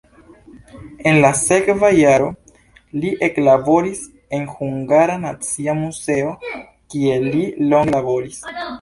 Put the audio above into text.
En la sekva jaro li eklaboris en Hungara Nacia Muzeo, kie li longe laboris.